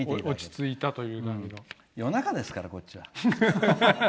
夜中ですから、こっちは。